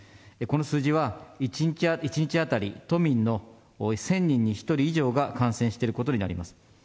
この数字は、１日当たり、都民の１０００人に１人以上が感染していることになります。